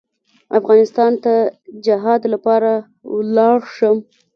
افغانستان ته جهاد لپاره ولاړ شم.